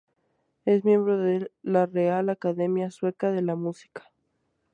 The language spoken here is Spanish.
Es miembro de la Real Academia Sueca de la Música.